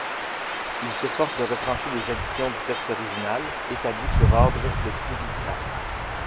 Il s'efforce de retrancher les additions du texte original, établi sur ordre de Pisistrate.